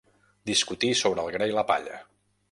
Discutir sobre el gra i la palla.